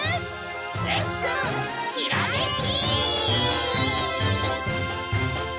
レッツひらめき！